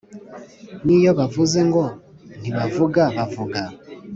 n’iyo bavuze ngo ntibavuga bavuga,